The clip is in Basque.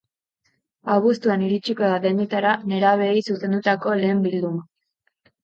Abuztuan iritsiko da dendetara nerabeei zuzendutako lehen bilduma.